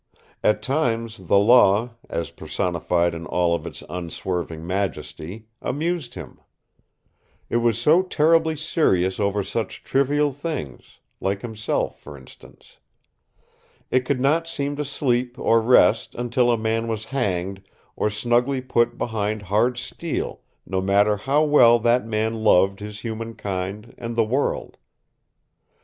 At times the Law, as personified in all of its unswerving majesty, amused him. It was so terribly serious over such trivial things like himself, for instance. It could not seem to sleep or rest until a man was hanged, or snugly put behind hard steel, no matter how well that man loved his human kind and the world.